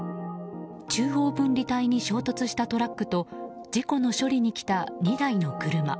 中央分利帯に衝突したトラックと事故の処理に来た２台の車。